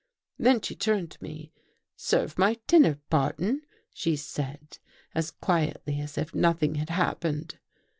" Then she turned to me. ' Serve my dinner, Barton,' she said, as quietly as if nothing had hap pened.